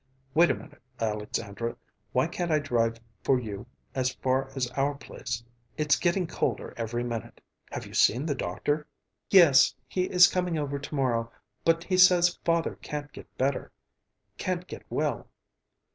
"Wait a minute, Alexandra. Why can't I drive for you as far as our place? It's getting colder every minute. Have you seen the doctor?" "Yes. He is coming over to morrow. But he says father can't get better; can't get well."